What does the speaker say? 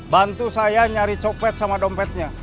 bantu saya nyari coklat sama dompetnya